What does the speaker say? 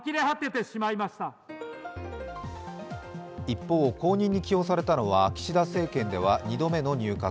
一方、後任に起用されたのは岸田政権では２度目の入閣